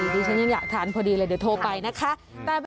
ดิฉันยังอยากทานพอดีเลยเดี๋ยวโทรไปนะคะ